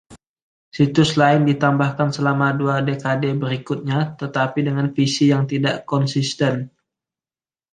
Situs lain ditambahkan selama dua dekade berikutnya, tetapi dengan visi yang tidak konsisten.